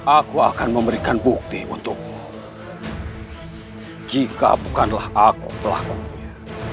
aku akan memberikan bukti untukmu jika bukanlah aku pelakunya